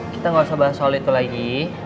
kita nggak usah bahas soal itu lagi